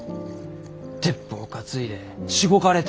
鉄砲担いでしごかれて。